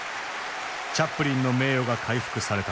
チャップリンの名誉が回復された。